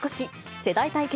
世代対決